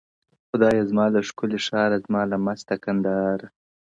• خدایه زما له ښکلي ښاره زما له مسته کندهاره -